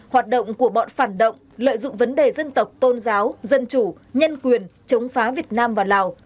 hoạt động của bọn phản động lợi dụng vấn đề dân tộc tôn giáo dân chủ nhân quyền chống phá việt nam và lào